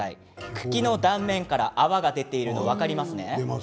茎の断面から泡が出ているのが分かりますか？